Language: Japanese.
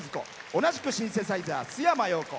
同じくシンセサイザー、須山陽子。